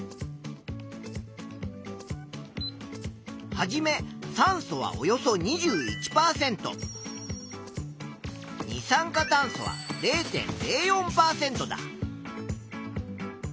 はじめ酸素はおよそ２１％二酸化炭素は０．０４％だ。